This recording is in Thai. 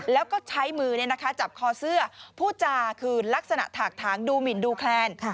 แล้วก็ใช้มือจับคอเสื้อผู้จาคือลักษณะถากถางดูหมินดูแคลน